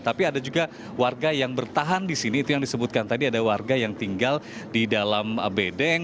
tapi ada juga warga yang bertahan di sini itu yang disebutkan tadi ada warga yang tinggal di dalam bedeng